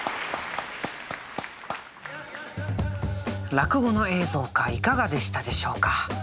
落語の映像化いかがでしたでしょうか？